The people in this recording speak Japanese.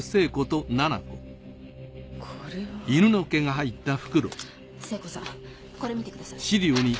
これは。聖子さんこれ見てください。